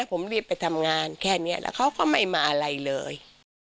ผมรีบไปทำงานแค่นี้แล้วเขาก็ไม่มาอะไรเลย